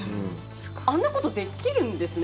あんなことできるんですね。